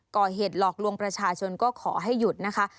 ก่อเหตุหลอกลวงประชาชนก็ขอให้หยุดนะคะ